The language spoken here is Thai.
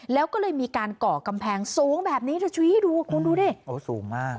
แล้วก็เลยมีการเกาะกำแพงสูงแบบนี้ดูดูดิโอ้สูงมาก